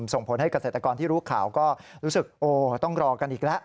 ส่งผลให้เกษตรกรที่รู้ข่าวก็รู้สึกโอ้ต้องรอกันอีกแล้ว